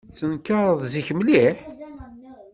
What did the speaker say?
Ttenkareɣ zik mliḥ.